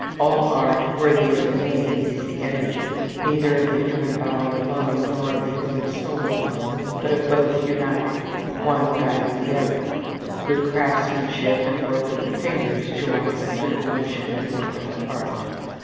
All art worthy the name is the energy neither of the human body alone, nor of the human soul alone, but of both united, one guiding the other: good craftsmanship and work of the fingers, joined with good emotion and work of the heart.